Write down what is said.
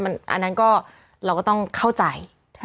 อันนั้นก็เราก็ต้องเข้าใจ